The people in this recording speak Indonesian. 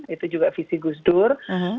itu juga visi gus dur